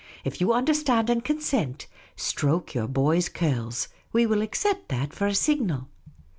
If you understand and consent, stroke your boy's curls. We will accept that for a signal."